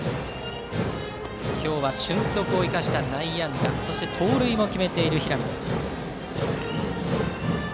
今日は俊足を生かした内野安打そして盗塁も決めている平見です。